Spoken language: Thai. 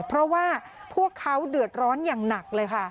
เพราะว่าพวกเขาเดือดร้อนอย่างหนักเลยค่ะ